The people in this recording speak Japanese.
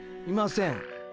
いません。